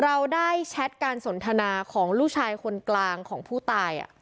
เราได้แชทการสนทนาของลูกชายคนกลางของผู้ตาย